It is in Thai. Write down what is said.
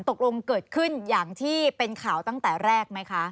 เกิดขึ้นอย่างที่เป็นข่าวตั้งแต่แรกไหมคะ